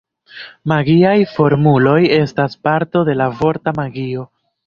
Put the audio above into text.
Magiaj formuloj estas parto de la vorta magio.